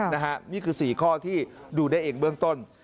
นี่คือ๔ข้อที่ดูได้เองเบื้องต้น